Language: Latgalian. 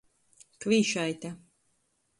Kvīšaite.